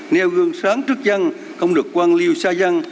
nêu gương sáng trước dân không được quan liêu xa dân